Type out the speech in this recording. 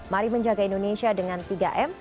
mari menjaga indonesia dengan tiga m